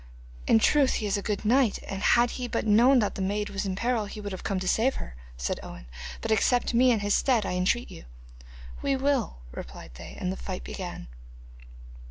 'In truth he is a good knight, and had he but known that the maid was in peril he would have come to save her,' said Owen; 'but accept me in his stead, I entreat you.' 'We will,' replied they, and the fight began.